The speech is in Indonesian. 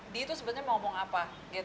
dia itu sebenarnya mau ngomong apa